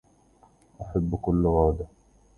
أحب كل غادة